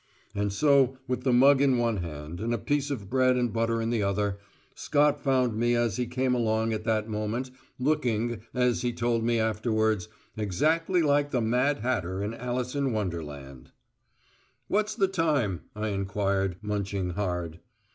And so, with the mug in one hand, and a piece of bread and butter in the other, Scott found me as he came along at that moment, looking, as he told me afterwards, exactly like the Mad Hatter in Alice in Wonderland. "What's the time?" I enquired, munching hard.